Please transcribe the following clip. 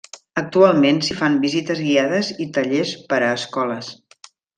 Actualment s'hi fan visites guiades i tallers per a escoles.